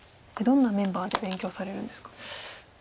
どんなメンバーで勉強されるんですか？